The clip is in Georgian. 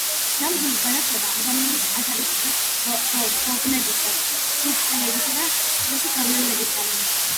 ნამდვილი განათლება ადამიანს ათავისუფლებს დოგმებისგან, ცრურწმენებისა და სხვისი გავლენებისგან